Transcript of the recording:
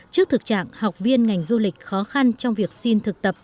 trước thực trạng học viên ngành du lịch khó khăn trong việc xin thực tập